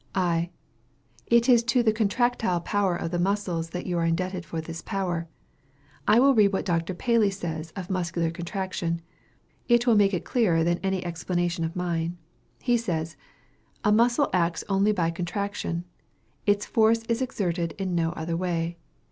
I. It is to the contractile power of the muscles that you are indebted for this power. I will read what Dr. Paley says of muscular contraction; it will make it clearer than any explanation of mine. He says, "A muscle acts only by contraction. Its force is exerted in no other way.